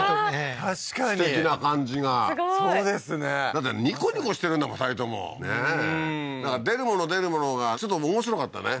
確かにすてきな感じがすごーいそうですねだってニコニコしてるんだもん２人ともねえなんか出るもの出るものがちょっと面白かったね